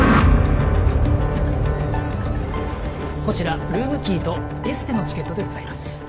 こちらルームキーとエステのチケットでございます